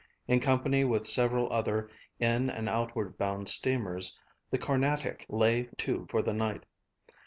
In company with several other in and outward bound steamers, the Carnatic lay to for the night.